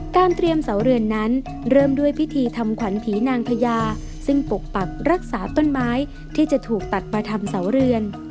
เตรียมเสาเรือนนั้นเริ่มด้วยพิธีทำขวัญผีนางพญาซึ่งปกปักรักษาต้นไม้ที่จะถูกตัดมาทำเสาเรือน